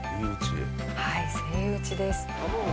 はいセイウチです。